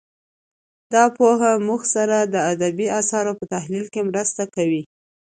دا پوهه موږ سره د ادبي اثارو په تحلیل کې مرسته کوي